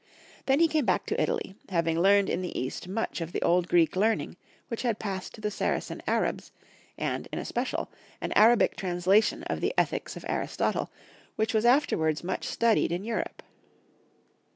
Then he came back to Italy, having learned in the East much of the old Greek learning which ha^l passed to the Saracen Arabs, and, in especial, an Arabic translation of the Ethics of Aristotle, which was afterwards much studied in Europe.